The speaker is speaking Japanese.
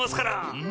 うん！